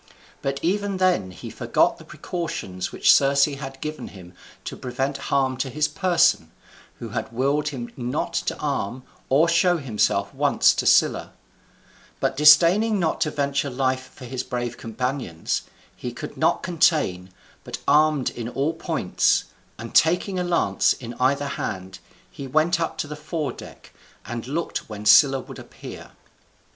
But even then he forgot the precautions which Circe had given him to prevent harm to his person, who had willed him not to arm, or show himself once to Scylla; but disdaining not to venture life for his brave companions, he could not contain, but armed in all points, and taking a lance in either hand, he went up to the fore deck, and looked when Scylla would appear.